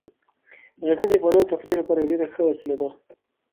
غزني د افغانانو د تفریح لپاره یوه ډیره ښه وسیله ده.